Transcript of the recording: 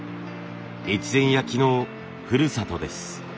越前焼のふるさとです。